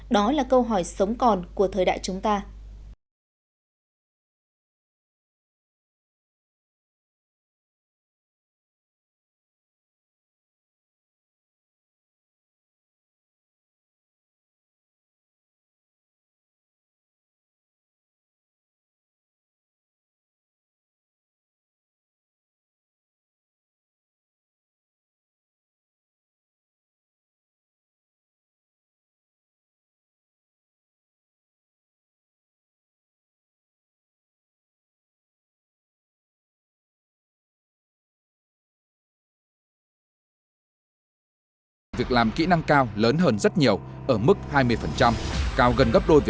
đó là câu hỏi sống còn của thời đại chúng ta